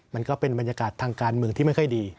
มันก็เป็นบรรยากาศทางการเมืองที่ไม่ค่อยดี